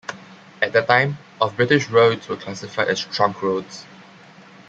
At that time, of British roads were classified as trunk roads.